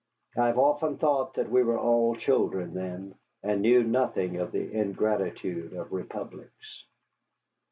I have often thought that we were all children then, and knew nothing of the ingratitude of republics.